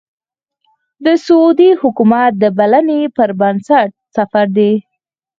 د سعودي حکومت د بلنې پر بنسټ سفر دی.